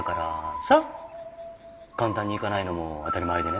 簡単にいかないのも当たり前でね。